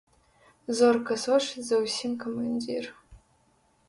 Зорка сочыць за ўсім камандзір.